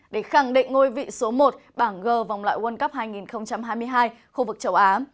để khẳng định ngôi vị số một bảng g vòng loại world cup hai nghìn hai mươi hai khu vực châu á